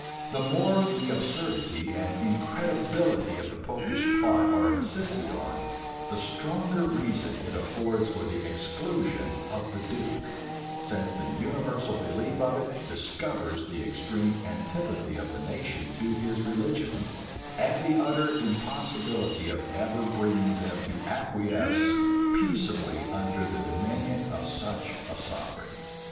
The more the absurdity and incredibility of the Popish plot are insisted on, the stronger reason it affords for the exclusion of the duke; since the universal belief of it discovers the extreme antipathy of the nation to his religion, and the utter impossibility of ever bringing them to acquiesce peaceably under the dominion of such a sovereign.